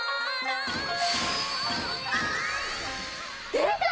出た！